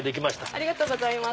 ありがとうございます。